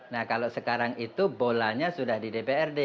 nah kalau sekarang itu bolanya sudah di dprd